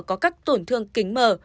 có các tổn thương kính mờ